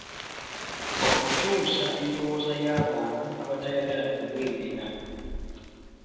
Okukyusa endowooza y'abantu abatayagala kuweerera.